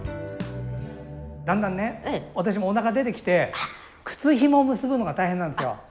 だんだんね私もおなか出てきて靴ひもを結ぶのが大変なんですよ。